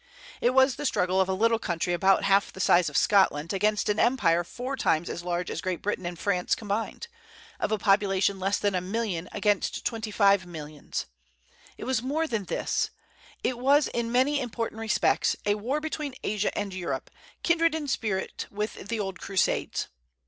It was the struggle of a little country about half the size of Scotland against an empire four times as large as Great Britain and France combined; of a population less than a million against twenty five millions. It was more than this: it was, in many important respects, a war between Asia and Europe, kindred in spirit with the old Crusades.